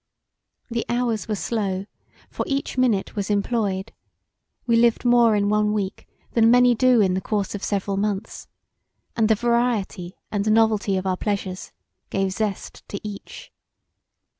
The hours were slow for each minute was employed; we lived more in one week than many do in the course of several months and the variety and novelty of our pleasures gave zest to each.